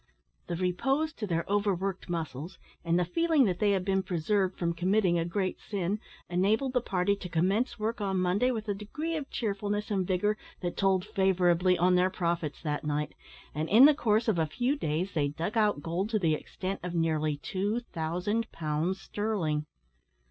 The repose to their overworked muscles, and the feeling that they had been preserved from committing a great sin, enabled the party to commence work on Monday with a degree of cheerfulness and vigour that told favourably on their profits that night, and in the course of a few days they dug out gold to the extent of nearly two thousand pounds sterling.